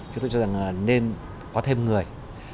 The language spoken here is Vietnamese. chúng tôi cho rằng là nên có thêm người